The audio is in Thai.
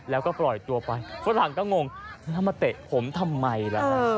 แล้วก็ปล่อยตัวไปฝรั่งก็งงแล้วมาเตะผมทำไมล่ะฮะ